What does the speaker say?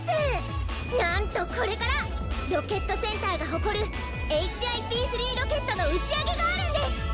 なんとこれからロケットセンターがほこるＨＩＰ−３ロケットのうちあげがあるんです！